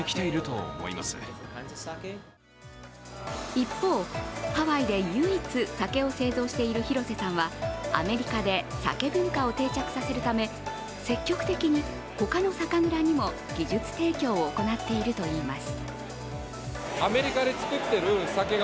一方、ハワイで唯一酒を製造している弘瀬さんはアメリカでＳＡＫＥ文化を定着させるため積極的に他の酒蔵にも技術提供を行っているといいます。